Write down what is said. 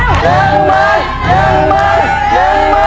เร็วมือเร็วมือ